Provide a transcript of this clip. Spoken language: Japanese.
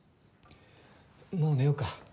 もう寝ようか。